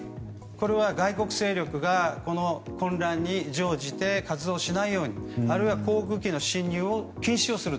これは外国勢力がこの混乱に乗じて活動しないようにあるいは航空機の進入を禁止をする。